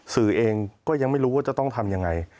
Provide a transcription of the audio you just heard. สื่อเองก็ยังไม่รู้ว่าจะต้องทำยังไง